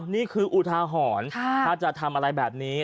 อุทาหรณ์ถ้าจะทำอะไรแบบนี้